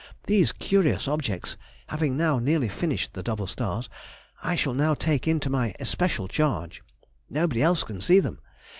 These curious objects (having now nearly finished the double stars) I shall now take into my especial charge—nobody else can see them.